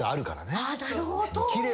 なるほど。